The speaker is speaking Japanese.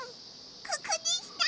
ここでした！